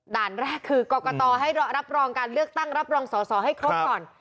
ด่านแรกคือกรกตให้รับรองการเลือกตั้งรับรองสอสอให้ครบก่อน